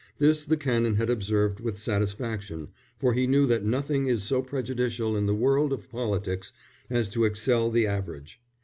This the Canon had observed with satisfaction, for he knew that nothing is so prejudicial in the world of politics as to excel the average.